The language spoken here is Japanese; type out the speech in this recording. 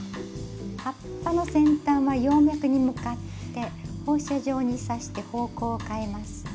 葉っぱの先端は葉脈に向かって放射状に刺して方向を変えます。